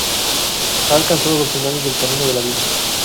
He alcanzado los finales del camino de la vida.